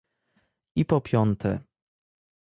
I po piąte